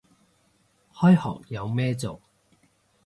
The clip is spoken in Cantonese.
開學有咩做